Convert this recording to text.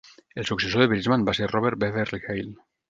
El successor de Bridgman va ser Robert Beverly Hale.